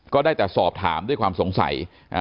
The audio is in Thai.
ก็ได้แต่สอบถามด้วยความสงสัย